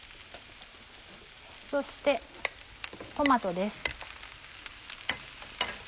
そしてトマトです。